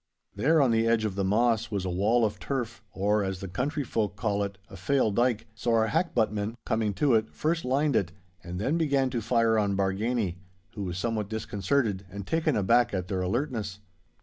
There on the edge of the moss was a wall of turf, or, as the country folk call it, a 'fail dyke,' so our hackbuttmen, coming to it, first lined it, and then began to fire on Bargany, who was somewhat disconcerted and taken aback at their alertness.